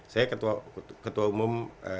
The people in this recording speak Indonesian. saya ketua umum